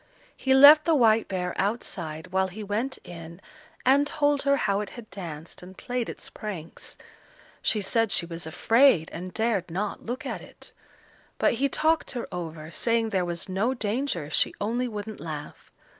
He left the white bear outside while he went in and told her how it had danced and played its pranks. She said she was afraid, and dared not look at it; but he talked her over, saying there was no danger if she only wouldn't laugh.